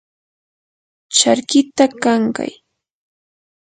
charkita kankay.